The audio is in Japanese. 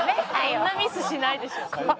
そんなミスしないでしょ。